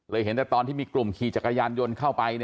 เลยเห็นได้ตอนที่กลุ่มขี่กระยานยนต์เข้าไป